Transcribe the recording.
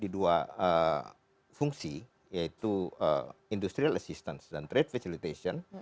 di dua fungsi yaitu industrial assistance dan trade facilitation